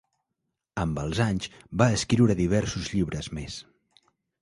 Amb els anys, va escriure diversos llibres més.